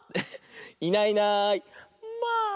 「いないいないまあ！」。